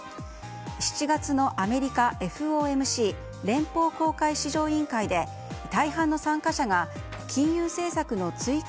７月のアメリカＦＯＭＣ・連邦公開市場委員会で大半の参加者が金融政策の追加